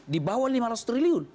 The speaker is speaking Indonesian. di bawah lima ratus triliun